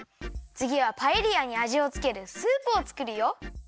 つぎはパエリアにあじをつけるスープをつくるよ！